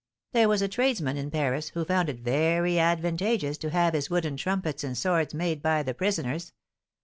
There was a tradesman in Paris who found it very advantageous to have his wooden trumpets and swords made by the prisoners.